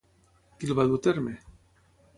Qui el va dur a terme?